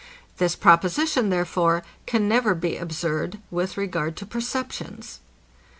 This proposition, therefore, can never be absurd with regard to perceptions.